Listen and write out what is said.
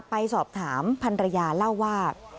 ไปสอบถามพันรยาเล่าว่า